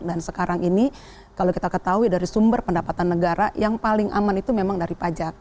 dan sekarang ini kalau kita ketahui dari sumber pendapatan negara yang paling aman itu memang dari pajak